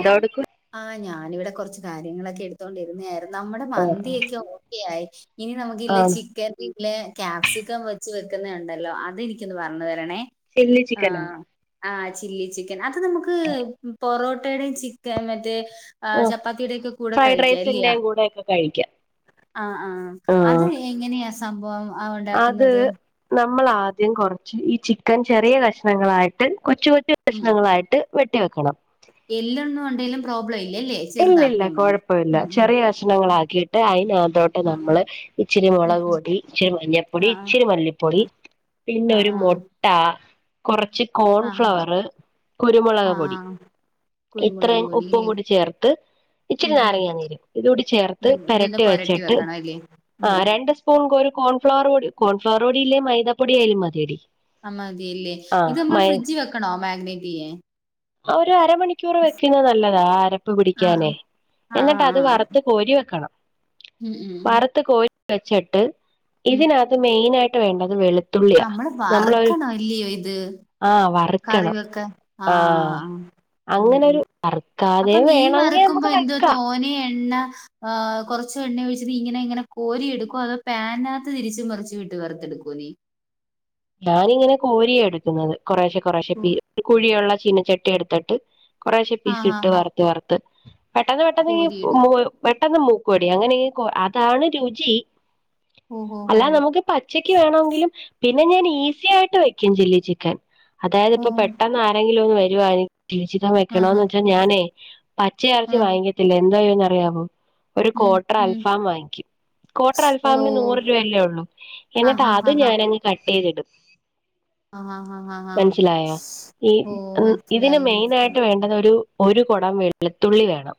പിന്നെ എന്തോടുക്കു ആഹ് ഞാനിവിടെ കൊറച്ച് കാര്യങ്ങളൊക്കെ എടുത്തോണ്ടിരുന്നേയായിരുന്നു നമ്മുടെ ആഹ് ആഹ് മന്തിയൊക്കെ യായി ഇനി നമുക്ക് ഇതിലെ ആണ് ചിക്കൻ [unintelligible] ഇതില് ക്യാപ്സിക്കം വെച്ച് വെക്കുന്നേണ്ടല്ലോ അതെനിക്കൊന്ന് പറഞ്ഞു തരണേ. ചില്ലി ചിക്കനാ ആഹ് ആഹ് ചില്ലി ചിക്കൻ അത് നമുക്ക് പൊറോ ട്ടയുടെയും ചിക്കൻ മറ്റേ ഏഹ് ചപ്പാത്തിയുടെ ഒക്കെ കൂടെ ഫ്രൈഡ് കഴിക്കാം ഇല്ലിയ റൈസിന്റെയും കൂടെയൊക്കെ കഴിക്കാം ആഹ് ആഹ് അത് ആഹ് എങ്ങനെയാ സംഭവം ആ അത് ഉണ്ടാക്കുന്നത്. നമ്മൾ ആദ്യം കൊറച്ച് ഈ ചിക്കൻ ചെറിയ കഷ്ണങ്ങളായിട്ട് കൊച്ചു കൊച്ചു കഷ്ണങ്ങളായിട്ട് വെട്ടി വെക്കണം. എല്ലന്നും ഉണ്ടേലും പ്രോബ്ലം ഇല്ലല്ലേ. ഇല്ല ഇല്ല ചെറുതാക്കിയാൽ മതി കൊഴപ്പ ഇല്ല ഉം ഉം ചെറിയ കഷ്ണങ്ങളാക്കിയിട്ട് അയിനകത്തോട്ട് ആഹ് ആഹ് നമ്മള് ഇച്ചിരി ഉം ഉം മൊളക് പൊടി ഇച്ചിരി മഞ്ഞപ്പൊടി ആഹ് ഇച്ചിരി മല്ലിപ്പൊടി പിന്നെ ആഹ് ആഹ് ആഹ് ഒരു മൊ മുട്ട കൊറച്ച് ആഹ് ആഹ് കോൺഫ്ലവറ് കുരുമുളക് പൊടി ആഹ് ആഹ് കുരുമുളക് ഇത്രയും പൊടി ഉപ്പും ഇല്ലേ കൂടി ചേർ ഇച്ചിരി ഉം ഉം നാരങ്ങനീരും ഇതൂടി ചേർത്ത് ഇതൊന്ന് പെരട്ടി പൊരട്ടി വെച്ചിട്ട് വെക്കണം അല്ലേ ഉം ആഹ് ര ണ്ട് സ്പൂൺ ഒരു കോൺഫ്ളവർ പൊടി കോൺഫ്ളവർ പൊടിയില്ലേൽ മൈദ പൊടിയായാലും മതിയടി. ആഹ് മതിയല്ലേ ആഹ് ഇത് നമ്മള് മൈ ഫ്രിഡ്ജ് വെക്കണോ മാഗ്നേറ്റ് ചെയ്യാൻ. ഒരു അരമണിക്കൂർ വെക്കുന്നത് നല്ലതാ ആ അരപ്പ് ആ പിടിക്കാനേ ആ എന്നിട്ട് അത് ആ വറ ത്ത് കോരി വെക്കണം ഉം ഉം ഉം വറ്ത്ത് കോരി വെച്ചിട്ട് ഉം ഇതിനക ത്ത് മെയിനായിട്ട് വേണ്ടത് വെളു നമ്മള് വറക്കണോ അല്ലിയോ ഇത്. ആഹ് കറി വറ്ക്കണം വെക്കാൻ ആ ആഹ് ആ ഉം ഉം അങ്ങനെരു വറ്ത്താൽ ഇനി വേണങ്കി നമുക്ക് വെക്കാ. ഓന് എണ്ണ ഏഹ് കൊറച്ച് എണ്ണ ഒഴിച്ചട്ട് ഇങ്ങനെ ഇങ്ങനെ കോരിയെടുക്കോ അതോ പാനിനകത്ത് തിരിച്ച് മറിച്ച് ഇട്ട് വറത്തെടുക്കൊ നി. ഞാനിങ്ങനെ കോരിയാ എടുക്കുന്നത് കൊറേശെ കൊറേശെ ഒരു കുഴിയുള്ള ചീനച്ചട്ടി എടുത്തിട്ട് കൊറേശെ ആ പീസ് ആ ഇട്ട് ആ വറുത്ത് വറുത്ത് പെട്ടെന്ന് പെട്ടെന്ന് ഈ കോരിയിടും മൊ പെട്ടെന്ന് മൂക്കോടി അങ്ങനെ ഈ അതാണ് രുചി ഓ ഓ ഓ അല്ലാതെ നമുക്ക് പച്ചക്ക് വേണമെങ്കിലും പിന്നെ ഞാൻ ഈസി ആയിട്ട് വെക്കും ചില്ലി ചിക്കൻ. അതായത് ഓ ഇപ്പൊ പെട്ടെന്ന് ആരെങ്കിലും ഒന്ന് വരുവാണങ്കി ചില്ലി ചിക്കൻ ആ ആ വെക്കണന്ന് വെച്ചാൽ ഞാനേ ആ പച്ചയിറച്ചി ഉം വാങ്ങിക്കത്തില്ല എന്തയോന്ന്റിയാവോ ഒരു ഉം കോട്ടർ ഉം അൽഫാം വാങ്ങിക്കും. ക്വാട്ടർ ഓ അൽഫാമിന് നൂറ് രൂപയല്ലേ ഒള്ളൂ ആ എന്നിട്ട് ആ അത് ആ ആ ഞാനങ്ങ് കട്ട് ചെയ്തിടും. ആഹ് ആഹ് ആഹ് ആഹ് ആഹ് മനസിലായോ ഈ ഓ ഇതിന് മനസ്സിലായി മനസ്സിലായി മെയിനായിട്ട് വേണ്ടത് ഒരു ഒരു കൊടം വെളുത്തുള്ളി വേണം.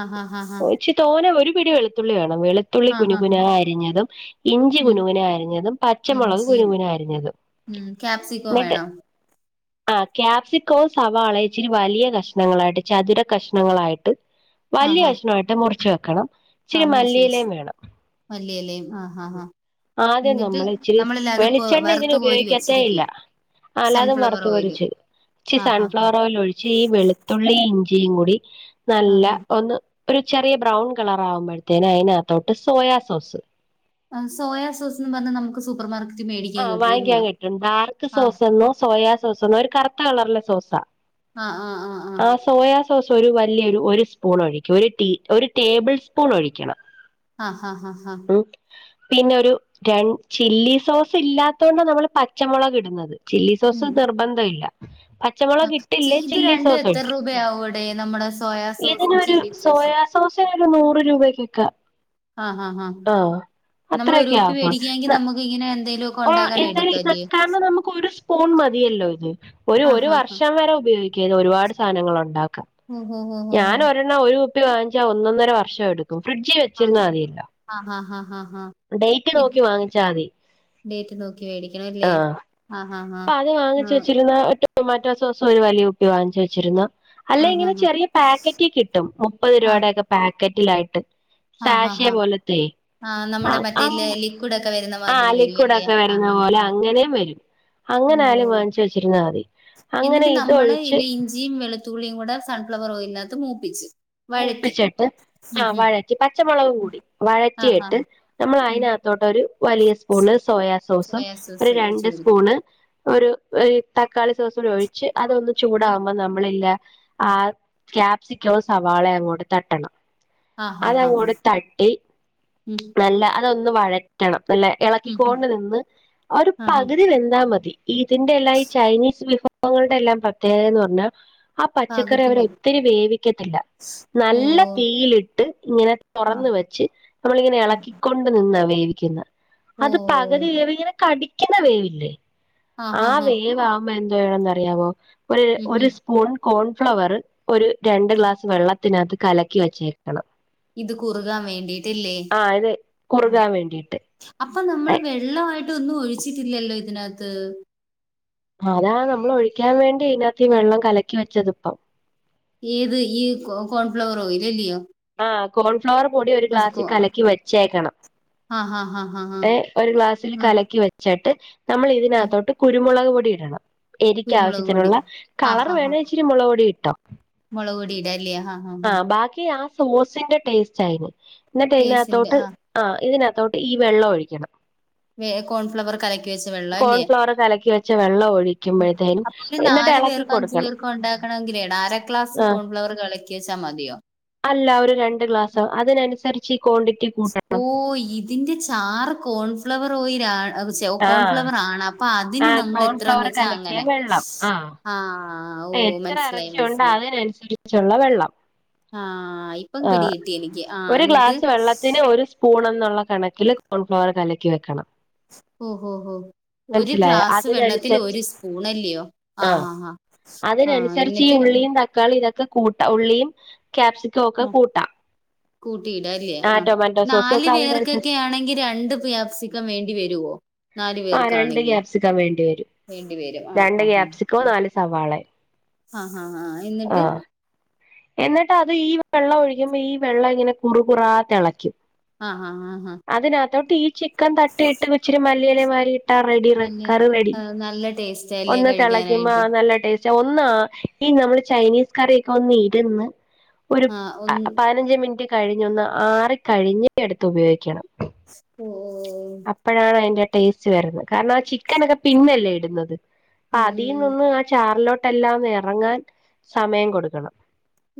ആഹ് ഹാ ഹാ ഹാ ഇച്ചി തോനെ ഒരു പിടി വെളുത്തുള്ളി വേണം വെള് ത്തുള്ളി ആഹ് ആഹ് കുനുകുനാ അരിഞ്ഞതും ഇഞ്ചി ഉം കുനുകുനാ അരിഞ്ഞതും പച്ചമുളക് കുനു ഇഞ്ചിയും കുനാ അരിഞ്ഞതും ഉം ക്യാപ്സിക്കോ ന്നിട്ട് വേണോ ആഹ് ക്യാപ്സിക്കോവും സവാളയും ഇച്ചിരി വലിയ കഷ്ണങ്ങളായിട്ട് ചതുര കഷ്ണങ്ങളായിട്ട് ആഹ് വലിയ ആഹ് കഷ്ണായിട്ട് മുറിച്ച് വെക്കണം. ഇച്ചിരി ആഹ് മുറിച്ച് വച്ച് മല്ലിയിലയും വേണം മല്ലിലയും ആഹ് ആഹ് ആഹ് ആദ്യം എന്നിട്ട് നമ്മൾ ഇച്ചിരി നമ്മളില്ലേ അതിപ്പോ വെളിച്ചെണ്ണ ഇതിന് വറുത്ത് കോരി ഉപയോഗിക്കത്തേ ഇല്ല. വെച്ചിരിക്കുവാ ആല്ലാതും സൺഫ്ലവർ വറുത്ത് ഓയില് പൊരിച്ചു ച്ചി ആഹ് ആഹ് സൺഫ്ലവർ ഓയിലൊഴി ച്ച് വെളുത്തുള്ളി ഇഞ്ചിയും കൂടി ആഹ് നല്ല ആഹ് ഒന്ന് ഒരു ചെറിയ ബ്രൗൺ കളറാകുമ്പോഴത്തേനും അയിനകത്തോട്ട് സോയാ സോസ് സോയ സോസ്ന്ന് പറഞ്ഞാ നമുക്ക് സൂപ്പർമാർക്കറ്റ് ആഹ് വാങ്ങിക്കാൻ കിട്ടും ഡാർക്ക് ആഹ് സോസെന്നോ സോയാ സോസ്ന്നോ ഒരു കറുത്ത കളറിലെ സോസാ ആഹ് ആഹ് ആഹ് സോയ സോസൊരു വല്യയൊരു ഒരു സ്പൂൺ ഒഴിക്കും ഒരു ടീ ഒരു ടേബിൾ സ്പൂൺ ഒഴിക്കണം. ആഹ് ഹ ഹ ഹാ പിന്നൊരു രൻ ചില്ലി സോസ് ഇല്ലാത്തൊണ്ടാമ്മള് പച്ച മൊളക്ടുന്നത് ചില്ലി സോസ് ഉം നിർബന്ധല്ല പച്ച ആഹ് പച്ചമൊളകിട്ടില്ലേ ഇത് ചില്ലി രണ്ടും സോസ് എത്ര ഒഴിക്ക രൂപയാവൂടെ നമ്മുടെ സോയാ സോസും ഇതിനൊരു ചില്ലി സോയ സോസും സോസിനൊരു നൂറ് രൂപയ്ക്കൊക്ക ആഹ് ഹാ ഹാ നമ്മളൊരു അത്രയൊക്കെ കുപ്പി മേടിക്കാങ്കി നമുക്കിങ്ങനെ എന്തെലൊ ഓ എന്താല ഇതൊക്കാന്ന് നമുക്ക് ഒരു സ് സ്പൂൺ മതിയല്ലോ ഇത് ഒരു ആഹ് ഒരു ഹാ വർഷം വരെ ഉപയോഗിക്കാത് ഒരുപാട് സാനങ്ങളുണ്ടാക്കാം. ഹോ ഹോ ഹോ ഹോ ണ ഒരു കുപ്പി വാങ്ങിച്ചാ ഒന്നൊന്നര വർഷടുക്കും ഫ്രിഡ്ജീ വെച്ചിരുന്നാ മതില്ലോ ആഹ് അ അ അ ഡേയ്റ്റ് നോക്കി വാങ്ങിച്ചാ മതി ഡേറ്റ് നോക്കി മേടിക്കണം അല്ലേ ആഹ് ആഹ് ഹാ അപ്പൊ അത് വാങ്ങി ഹാ വെച്ചിരുന്ന ടൊമാറ്റോ സോസും ഒരു വലിയ ഉപ്പി വാങ്ങിച്ചു വെച്ചിരുന്ന അല്ല ആഹ് ഇങ്ങനെ ആഹ് ചെറിയ പാക്കറ്റ് കിട്ടും മുപ്പത് ആഹ് ആഹ് രൂപയുടൊക്കെ പാക്കറ്റിലായിട്ട് ആഹ് ആഹ് ടാശിയ ആഹ് പോലത്തെയ് ആഹ് ആ നമ്മുടെ മറ്റേ അങ്ങനെ ലിക്വിഡ് ഒക്കെ വരുന്ന ആ മാതിരി വരും ഇല്ലേ ലിക്കൂടൊക്കെ വരുന്ന പോലെ അങ്ങനെം വരും. ഓ അങ്ങനായാലും വാങ്ങിച്ചു വെച്ചിരുന്നാ മതി അങ്ങനെ ന്നിട്ട് നമ്മള് ഇതൊഴിച്ച് ഇലിം ഞ്ചിയും വെളുത്തുള്ളളിയും കൂടെ സൺഫ്ലവറോയിലിനത്ത് മൂപ്പിച്ച് വഴറ്റി മൂപ്പിച്ചെട്ട് ആ ഉം ഉം വഴറ്റി പച്ചമുളകും കൂടി ആഹ് വഴറ്റിയിട്ട് ആഹ് നമ്മൾ ഉം അയിനകത്തോട്ടൊരു വലിയ സ്പൂണ് സോയ സോസും സോയാ സോസ് ഒര് ഒഴിച്ച് രണ്ട് കൊടുക്കും സ്പൂണ് ഒരു ഒര് തക്കാളി സോസും കൂടിഴിച്ച് അതൊന്ന് ചൂടകുമ്പോ നമ്മളില്ല ആ ക്യാപ്സിക്കവും സവാളെം അങ്ങോട്ട് തട്ടണം ആഹ് ആഹ് ആഹ് ആഹ് അതങ്ങോട്ട് തട്ടി ഉം നല്ല അതൊന്ന് വഴറ്റണം അല്ലെ ഉം ഉം ഇളക്കിക്കോണ്ട് നിന്ന് ഒരു ആഹ് ആഹ് പകുതി വെന്താ മതി ഇതിന്റെ എല്ലാം ഈ ചൈനീസ് വിഭ ഭവങ്ങളുടെ എല്ലാം പ്രത്യേകതേന്ന് പറഞ്ഞാൽ ആ പച്ചക്കറി പകുതി വേ അവരൊത്തിരി വേവിക്കത്തില്ല. ഓ നല്ല തീയിലിട്ട് ങ്ങനെ ആ തുറന്ന് വെച്ച് നമ്മളിങ്ങനെ ആ എളക്കിക്കൊ ണ്ട് ഓ നിന്നാവേവിക്കുന്നഅത് പകുതി വേവ്ങ്ങനെ കടിക്കുന്ന വേവില്ലേ ആ ഹാ ഹാ വേവാവുമ്പോ എന്തോയ്യണന്നറിയാവോ ഒര് ഉം ഒര് ഉം സ് സ്പൂൺ കോൺഫ്ലവർ ഒരു രണ്ട് ഉം ഗ്ലാസ് വെള്ളത്തിനകത്ത് കലക്കി വെച്ചേക്കണം. ഇത് കുറുകാൻ വേണ്ടിയിട്ടില്ലേ ആ ഇത് കുറുകാൻ വേണ്ടിയിട്ട്. അപ്പൊ നമ്മള് വെള്ളമായിട്ട് ഒന്നും ഒഴിച്ചിട്ടില്ലല്ലോ ഇതിനകത്ത്? അതാ നമ്മള് ഒഴിക്കാൻ വേണ്ടി ഇതിനകത്ത് ഈ വെള്ളം കലക്കി വെച്ചതിപ്പം ഏത് ഈ കോ കോൺഫ്ലവർ ഓയിയിലല്ലയോ ആ കോൺഫ്ലവർ പൊടി ഒരു ഗ്ലാസ്സി കലക്കി വെച്ചേക്കണം. ആഹ് ഹാ ഹാ ഹാ ഏ ഒരു ഗ്ലാസ്സിൽ ആ കലക്കി വെച്ചിട്ട് നമ്മൾ ആ ഇതിനകത്തോട്ട് കുരുമുളക് പൊടിടണം. കുരുമുളക് പൊടി എരിക്കാവശ്യത്തിനുള്ള ആ കളർ ഹാ ഹാ വേണെച്ച മൊളക് പൊടീട്ടോ മുളക് പൊടി ഇടാല്ലേ ഹാ ഹാ ആ ഹാ ബാക്കി ആ സോസിന്റെ ടേസ്റ്റായിന് ന്നിട്ടയിനകത്തോട്ട് ആ ഇതിനകത്തോട്ട് ഈ വെള്ളൊഴിക്കണം. വേ- കോൺഫ്ലവർ കലക്കി വെച്ച വെള്ളം അല്ലേ കോൺഫ്ലവർ കലക്കി വെച്ച വെള്ളം ഒഴിക്കുമ്പോഴത്തേനും ഒരു എന്നിട്ട് നാല് ഇളക്കി പേർക്കും അഞ്ചു കൊടുക്കണം പേർക്കോ ഉണ്ടാക്കണങ്കിലേ ടാരക്ലാസ് ആ കോൺഫ്ലവർ കളക്കി വെച്ചാ മതിയോ? അല്ല ഒരു രണ്ട് ഗ്ലാസ് അതിനനുസരിച്ച് ഈ ക്വാണ്ടിറ്റി കൂട്ടണം ഓ ഇതിന്റെ ചാർ കോൺഫ്ലവർ ഓ യി ൽ ഛേ ആ കോൺഫ്ലവർ ആണ് അപ്പൊ അതിന് ആ നമ്മള്എത്രന്ന് കോൺഫ്ലവർ വെച്ചാ കലക്കിയ അങ്ങനെ വെള്ളം ആ ഓ എത്ര മനസ്സിലായി ഇറച്ചിയ ഉണ്ട മനസ്സിലായി അതിനനുസരിച്ചുള്ള വെള്ളം ആഹ ഇപ്പൊ ആ പിടികിട്ടി എനിക്ക് ആഹ എന്നിട്ട് സ്പൂണ എന്നുള്ള കണക്കില് കോൺഫ്ലവർ കലക്കി വെക്കണം ഓഹോ ഹോ ഒരു മനസ്സിലായോ ഗ്ലാസ് വെള്ളത്തിൽ അതിനനുസരിച്ച് ഒരു സ്പൂൺ അല്ലയോ ആ ആഹ് ഹാ ഹാ ആ അതിനനുസരിച്ച് ഈ എന്നിട്ട് ഉള്ളിയും തക്കാളി ഇതൊക്കെ കൂട്ട ഉള്ളിയും ക്യാപ്സിക്കം ഒക്കെ കൂട്ടാം കൂട്ടില്ലാല്ലേ ആഹ് ടൊമാറ്റോ സോസും നാല് ഒക്കെ പേർക്കൊക്കെ അതിനനുസരിച്ച് യാണെങ്കി രണ്ട് പ്യാപ്സിക്കം വേണ്ടി വരുവോ നാലു ആഹ് രണ്ട് പേർക്കാണെങ്കിൽ ഗ്യാപ്സിക്കം വേണ്ടിവരും വേണ്ടി വരും ആ രണ്ട് ഗ്യാപ്സിക്കോ നാല് സവാളെ ആഹ് ആഹ് ആഹ് ആഹ് അഹ് എന്നിട്ടത് ഈ വെള്ളഴിക്യുമ്പോ ഈ വെള്ളങ്ങനെ കുറ് കുറാ തെളക്യും ആഹ് ആഹ് ആഹ് ഹ അതിനകത്തോട്ട് ഈ ചിക്കൻ തട്ടിയിട്ട് ഇച്ചിരി മല്ലിയിലെ മാരി ഇട്ടാ റെഡി റെഡ് വല്യ കറിറെഡി നല്ല ടേസ്റ്റാ ഒന്ന് തെളക്യുമ്പോ നല്ല ടേസ്റ്റാ ഒന്നാ ഈ നമ്മള് ചൈനീസ് കറിയൊക്കെ ഒന്ന് ഇര്ന്ന് ഒരു ആ ഒന്ന് പ പയ്നഞ്ച് മിൻറ്റ് കഴിഞ്ഞൊന്ന് ആറി കഴിഞ് എട്ത്ത് ഉപയോഗിക്യണം [unintelligible] അപ്പഴാണയ്ന്റെ ടേസ്റ്റ് വര്ന്ന് കാര്ണാ ചിക്കനൊക്കെ പിന്നല്ലേ ഇട്ന്നത് ഉം ഉം അതീനൊന്ന് ആഹ് ചാർലോട്ടെല്ലാംന്നി റങ്ങാൻ സമയം കൊട്ക്കണം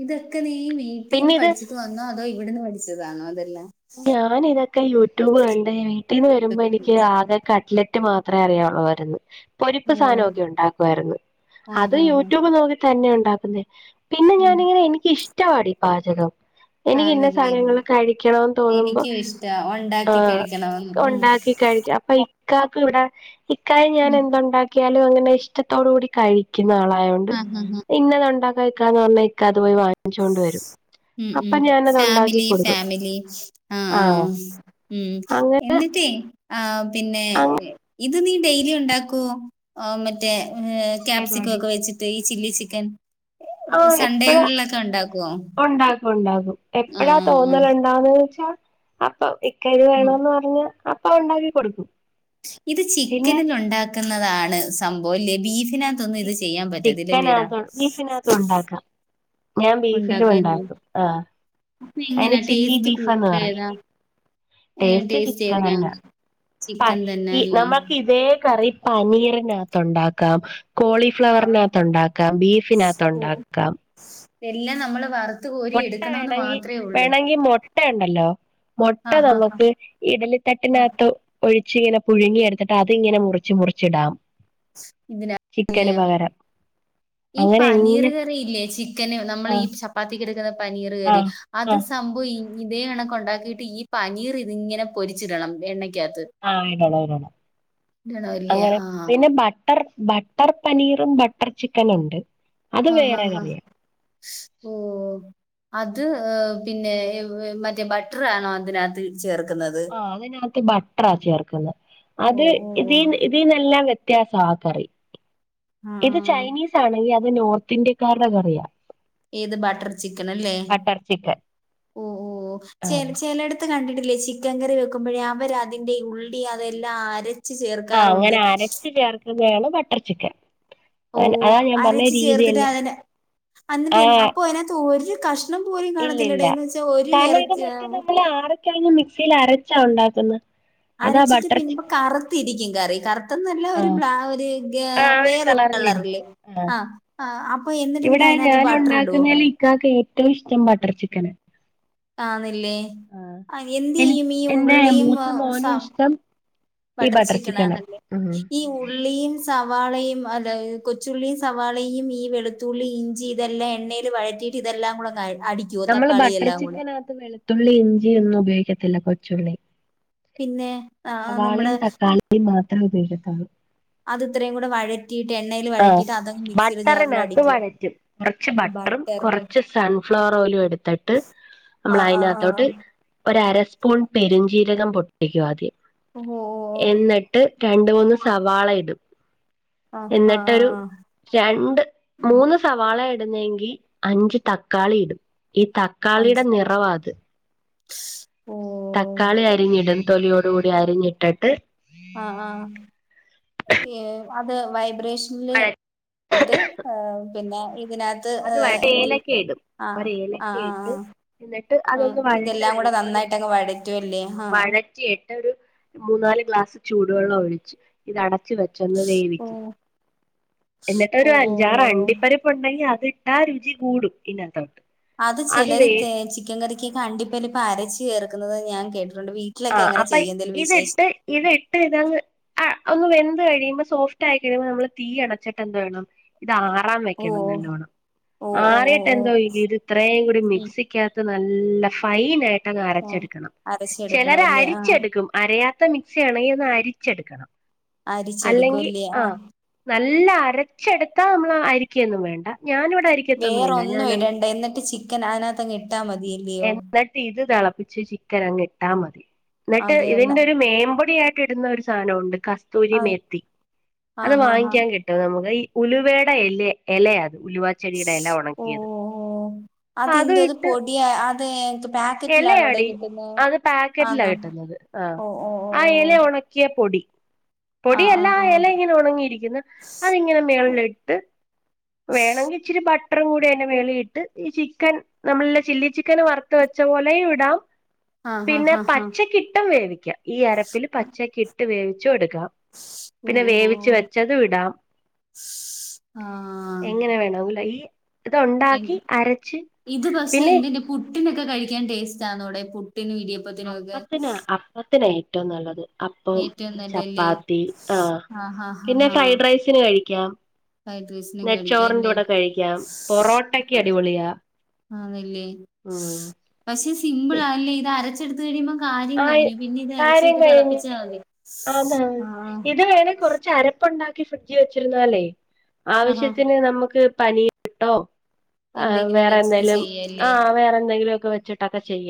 ഇതൊക്കെ നീ വീട്ടിന്ന് പഠിച്ചിട്ട് വന്നോ അതോ ഇവിട്ന്ന് പഠിച്ചതാണോ അതെല്ലാ ഞാനിതക്കെ യൂറ്റൂബ് കണ്ടേ വീട്ടിന്ന് വരുമ്പോ നി ക്ക് ആകെ കട്ട്ലെറ്റ് മാത്രേ അറിയാവുള്ളുവാര്ന്ന് പൊരിപ്പ് ഓ സാനൊക്യോ ണ്ടാക്കുവാര്ന്ന് ആഹ് അത് ഹാ ഹാ യൂറ്റൂബ് നോക്കി തന്നെ ണ്ടാക്കുന്നേ പി ഉം എനിക്കിഷ്റ്റവാടി പാചകം എനിക്കിന്ന ആന്നില്ലേ സാനങ്ങളക്കെ അരി ക്യണം തോന്നുമ്പോ എനിക്കും ഇഷ്ടാ ഉണ്ടാക്കി ആഹ് കഴിക്കണമെന്ന് ക ഉം ഒണ്ടാക്കി കഴി ക്കപ്പ ഇ ഇക്കാക്ക്വ്ടെ ഇക്കായ ഞാന ഉം ന്തുണ്ടാ ക്യാലും അങ്ങനെ ഇഷ്ടത്തോടു കൂടി കഴിക്യുന്ന ആളായോ ഉണ്ട് ആഹ് ആഹ് ഇങ്ങനൊണ്ടാകാക്കാന്നോണ്ടയ് ഇക്കത്പോയി വാങ്ച്ചോണ്ട് വരും ഉം ഉ അപ്പൊ ഞാനത് ഉണ്ടാക്കി ഫേമിലി കൊടുക്കും ഫേമിലി ആഹ് ആഹ് ഉം അങ്ങനെ എന്നിട്ടേ ആം പിന്നെ അങ്ങ ഇത് നീ ഡൈലിയുണ്ടാക്കോ ഓ മറ്റേ ഏതോടി ക്യാപ്സികൊക് വെച്ചിട്ടയ് സില്ലി സിക്കൻ ആഹ് എപ്പഴാ ഒണ്ടാക്കു ഒണ്ടാകും ആഹ് ആഹ് എപ്പഴാതോന്നലൺ താന്ന് വെച്ചാ അപ്പ ഇക്കക് ഉം വേണോന്ന് പർഞ്ഞ അപ്പ ഉണ്ടാക്കി കൊട്ക്കും ഇത് ചിക്കന്ലുണ്ടാക്കുന്നതാണ് സംഭോവല്ലേ ബീഫിനക ത്ത്ന്നും ഇത് ചിയ്യാംപറ്റതില്ലല്ലേടാ അയ്നകത്തുണ്ടാക്കാ ഞാം ബീഫിലു ഉണ്ടാക്കാല്ലേ ണ്ടാക്കും ആഹ് അപ്പൊ അയ്ന് എങ്ങനാ ചില്ലി ടേസ്റ്റ് ബീഫന്ന് കൂടുതൽ പറയു ഏതാ ഏഹ് ട്ടേസ്റ്റ് ടേസ്റ്റ് ചിക്കൻ ഏതിനാ നന്നാ ചിക്കൻ പഷ് തന്നെ ട്ടി അല്ലേ നമ്മൾക്കി തേ കറി പനീ നീറിനകത്തുണ്ടാക്കാം കോളി ആഹ് ആഹ് ഫ്ലവർനകത്തുണ്ടാക്കാം ബീഫിനക തൊണ്ടാക്കാം എല്ലാ അമ്മള് വർ മൊട്ട വേണങ്കി വേണെങ്കി മുട്ടേണ്ടല്ലോ മൊട്ട ആ ഹാ ഹാ നമ്ക്ക് ഇഡലി തട്ട്നകത്തോ ഒഴിച്ചിങ്ങനെ പുഴുങ്ങിയടുത്ട്ട് അത് ഇങ്ങനെ മുറിച്ച് മുറിച്ചിടാം ഇതിന ചിക്കന് ല്യയാ പകരം ഈ അങ്ങനെ എങ്ങനെ പനീറ്കറി ഇല്ലേ ചിക്കന് നമ്മള് ആ ഈ ചപ്പാത്തിക്ക് എട്ക്ന്ന പനീറ് ആ കറി ആ അത് സം പ്പൊ യി ഇതേ കണകൊണ്ടാക്കിട്ട് ഈ പനീറ്തിങ്ങനെ പൊരിച്ചിടണം എണ്ണ ക്യാത്ത് ആഹ് ഇടണം ഇടണം ഇല്ലേ അങ്ങനെ ആ പിന്നെ ബ ബട്ടർ ബട്ടർ പനീറും ബട്ടർ ചിക്കനുണ്ട് ആഹ് ഹഹ് ഹാ ഓ അത് പിന്നെ മറ്റേ ബട്ടറാണോ അതിനകത്ത് ചേർക്കുന്നത് ആഹ് അതിനകത്ത് ബട്ടറാ ചേർക്കുന്നത് ഓ അത് ഓ ഓ. ഇതീ ഇതിന്നെല്ലാം വ്യത്യാസം ആ കറി ആഹ് ഇത് ചൈനീസ് ആണെങ്കിൽ അത് നോർത്ത് ഇന്ത്യക്കാരുടെക്കെറിയാം ഏത് ബട്ടർ ചിക്കൻ അല്ലേ ബട്ടർ ചിക്കൻ ഓ ഓ ച ആഹ് ചിലടുത്ത് കണ്ടിട്ടില്ലേ ചിക്കൻ കറി വെക്കുമ്പോഴേ അവർ അതിന്റെ ഉള്ളി അതെല്ലാം അര ആഹ് അങ്ങനെ അരച്ചു ചേർക്കുന്നതാണ് ബട്ടർ ചിക്കൻ ഓ അ- അതാ ഞാൻ പറഞ്ഞ അരച്ച ചേർത്തിട്ട് രീതിയെല്ലാം അതിനെ അന്നിട്ട് ആഹ് അപ്പൊ അതിനകത്ത് ഒരു കഷ ഷണം പോലും ഇല്ല ഇല്ല കാണത്തില്ലടെ ന്ന് വെച്ചാൽ ഒരു വിറ കഴിഞ്ഞ മിക്സിൽ അരച്ചാ ഉണ്ടാക്കുന്നത് അരച്ചിട്ട് പിന്നബേ ഇ കറുത്തിരിക്കും കറി കറുത്തന്നല്ല ആഹ് ഒരുബ്ലാ ഒരു ഗേ ആഹ് ആ ഒരു വേറെ കളറിലിരിക്കും കളറല്ആ ആ് അപ്പൊ എന്നിട്ട് പിന്നെ ഇവിടെ അതിനകത്ത് ഞാൻ ബട്ടർ ഇടുവോ ഉണ്ടാക്കുന്നതിൽ ഇക്കാക്ക് ഏറ്റവും ഇഷ്ടം ബട്ടർ ചിക്കന് ആന്നില്ലേ ആ എന്ത് എനി ചെയ്യും ഈ എറെ ഉള്ളിയും മൂത്ത മോനും ഇഷ്ടം ഈ ബട്ടർ ചിക്കൻ ചിക്കനാ ആണല്ലേ ഉം ഈഊ ഉള്ളിയും സവാളയും അല്ല കൊച്ചുള്ളി സവാളയും ഈ വെളുത്തുള്ളി ഇഞ്ചി ഇതെല്ലാം എണ്ണീ ൽ വഴറ്റിട്ട് ഇതെല്ലാം കൂടെഅങ്ങ് അടി നമ്മള് ബട്ടർ ചിക്കനകത് വെളുത്തുള്ളി ഇഞ്ചി ഒന്നും ഉപയോഗിക്കത്തില്ല കൊച്ചുള്ളി പിന്നെ ആ നമ്മുടെ ഈ മാത്രമേ ഉപയോഗത്തുള്ളൂ അത് ഇത്രയും കൂടെ വഴ കട്ടീട്ട് എണ്ണയിൽ ആഹ് വഴറ്റിട്ട് അതങ് മിക്സിയുടെ ജാറൽ ബട്ടറിനകത്ത് അടിക്കുക വഴറ്റും കുറച്ച് ബട്ടറും ബട്ടറിില് കുറച്ച് സൺഫ്ലവർ ഓയിലും എടുത്തിട്ട് ആ നമ്മൾ ആ ആ ആ. അതിനകത്തോട്ട് ഒരസ്പൂൺ പെരുഞ്ചീരകം പൊട്ടിക്കു ആദ്യം ഓ ഓ, ഓ. എന്നി ട്ട് രണ്ട മൂന്ന് സവാള ഇടും ആ ആ ആ എന്നിട്ടൊരു ആ. രണ്ട് മൂന്ന് സവാള ഇടുന്നെങ്കിൽ അഞ്ച് തക്കാളി ഇടും ഈ തക്കാളിയുടെ മനസ്സിലായി നിറവാത് ഓ തക്കാളി അരിഞ്ഞിടും തൊലിയോട കൂടി അരിഞ്ഞിട്ടിട്ട് ആഹ് ആഹ് അത് വൈ വഴ ഓറേഷനിൽട്ട് പിന്നെ ഇതിനകത്ത് അത് ഏ, വട്ട എന്ത് ഏലക്ക ഇടും ആ ഒരു ആ ഏലക്ക ആ ഇട്ട് ആ. എന്നിട്ട് ഉം, അതൊന്ന് വഴണ്ട് ഇതെല്ലാം കൂടെ വരുമ്പോ ഒരു നന്നായിട്ട് അങ്ങ് വഴറ്റുമല്ലേ ആ ആ. വഴറ്റിട്ട് ഒരു മൂന്നാല് ഗ്ലാസ് ചൂടുവെള്ളം ഒഴിച്ച് ഇത് അടച്ച വെച്ചൊന്ന് വേവിക്കും ഓ ഓ എന്നിട്ടരു ഓ അഞ്ചാറ് അണ്ടിപ്പരിപ്പ് ഉണ്ടെങ്കി അ അതിട്ടാ രുചി കൂടും ഇന്ന തോട്ട് അത് ചിലര് ചിക്കൻ കറിക്ക് കണ്ടിപ്പരി പ്പ് അരച്ചു കേർക്കുന്നത് ഞാൻ കേട്ടിട്ടുണ്ട്. വീ ആഹ് അപ്പൊ ഇത് ഇട്ട് ഇത് ഇട്ട്ഇതങ്ങ് ആ ഒന്ന് വെന്ത് കഴിയുമ്പോ സോഫ്റ്റ് ആയി കഴിയുമ്പോൾ നമ്മള് തീ അണച്ചിട്ടെന്ത് വേണം ഇത് ആറാം ഓ വെക്കണം നല്ലോണ്ണം ഓ ഓ ഓ ആറിട്ട് ഓ എന്തോ ഇത് ഇത്രയും കൂടി ഉം മിക്സിക്കകത്ത് നല്ല ഫൈൻ ആയിട്ട് അങ്ങ് ഓ അരച്ചെടുക്കണം ചിലർ അരച്ചെടുക്കണം അല്ലേ ആ അരിച്ചെടുക്കും അരയാത്ത മിക്സി ആണെങ്കിൽ ഒന്ന് അരിച്ചെടുക്കണം അരിച്ചെടുക്കും അല്ലെങ്കിൽ അല്ലേ ആ ആഹ് നല്ല അരച്ചെടുത്താ നമ്മള് അരിക്കൊന്നും വേണ്ട ഞാനിവിടെ അരിക്കത്തൊന്നുമില്ല വേറൊന്നും ഞാനങ്ങ് ഇടണ്ട എന്നിട്ട് ചിക്കൻ അതിനാത്തങ്ങ് ഇട്ടാ മതിയല്ലയോ എന്നിട്ട് ഇത് തെളപ്പിച്ച് ചിക്കൻ അങ്ങ് ഇട്ടാ മതി എന്നിട്ട് അതെ ഒന്ന് ഇതിന്റെ ഒരു മേൻമ്പൊടിയായി ട്ടിടുന്ന ഒരു സാനവുണ്ട് കസ്തൂരി ആഹ് മേത്തി അത് ആഹ് ആഹ് വാങ്ങിക്കാൻ കി ട്ടും നമുക്ക് ഈ ഉലുവയുടെ എല എലയാ അത് ഉലുവാച്ചെടിയുടെ എല ഓ ഒണക്കിയത് ഓ ഓ അത് ഇന്ത് പൊടിയ അത് എത് പാക്കറ്റ്ലാണോടെ ഇലയാടി കിട്ടുന്നേ അത് പാക്കറ്റിലാ കിട്ടുന്നത് ആഹ് ഓ ആ എല ഓ ഒണക്കിയ പൊടി പൊടിയല്ല ആ എല ഇങ്ങനെ ഒണങ്ങിയിരിക്കുന്നു അതിങ്ങനെ മേളിലിട്ട് വേണങ്കി ഇച്ചിരി ബട്ടറും കൂടി അയ്‌ന്റെ മേളിയിട്ട് ഈ ചിക്കൻ നമ്മളല്ല ചില്ലി ചിക്കന് വറുത്ത് വെച്ച പോലെയുവിടാം ആ ഹാ പിന്നെ ഹാ ഹാ പച്ചക്കിട്ടും വേവിക്കാം ഈ അരപ്പിൽ പച്ചക്കിട്ട് വേവിച്ചു എടുക്കാം ഓ പിന്നെ ഓ വേവിച്ച് ഓ വെച്ചതുവിടാം ആഹ് എങ്ങനെ വേണോങ്കിലും ഈ എൻ ഇതൊണ്ടാക്കി അരച്ച് ഇത് പക്ഷെ പിന്നെ എന്തിന്റെ പുട്ടിനൊക്കെ കഴിക്കാൻ ടേസ്റ്റ് ആന്നൊടെ പുട്ടിന് ഇടിയ അപ്പത്തിന അപ്പത്തിനാ ഏറ്റവും നല്ലത് അപ്പം ഏറ്റവും നല്ലല്ലേ ചപ്പാത്തി ആഹ് പിന്നെ ഫ്രൈഡ്രൈസിന് കഴിക്കാം ഫ്രൈഡ്രൈസ് നെയ്ച്ചോറിന്റെ കൂടെ കഴിക്കാം പൊറോട്ടക്ക് അടിപൊളിയാ ആന്നല്ലേ ഉം പക്ഷെ സിമ്പിൾ ആല്ലേ ഇത് അരച്ച ടുത്ത് കഴിയുമ്പോ കാര്യം ആയി കഴിഞ്ഞു പിന്നെ ഇത് കാര്യം എറച്ചിയിട്ട് കഴിഞ്ഞ് തിളപ്പിച്ച മതി ആഹ് ആഹ് കൊറച്ചരപ്പൊണ്ടാക്കി ഫ്രിഡ്ജി വെച്ചിരുന്നാലേയ് ആഹാ ആവശ്യത്തിന് നമ്മക്ക് പനീറിട്ടോ ആഹ് എന്തെങ്കിലും വേറെ വെച്ചിട്ട് എന്തെലും ചെയ്യല്ലേ ആഹ് വേറെ എന്തെങ്കിലു ഒക്കെ വെച്ചിട്ടൊക്കെ ചെയ്യാം